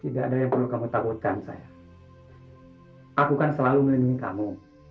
tidak ada yang perlu kamu takutkan saya aku kan selalu melindungi kamu